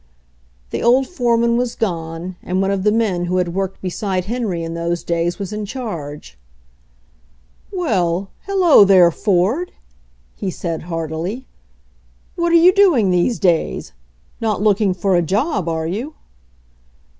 The old foreman was gone and one of the men who had worked beside Henry in those days was in charge. "Well, hello there, Ford!" he said heartily. "What're you doing these days? Not looking for a job, are you?"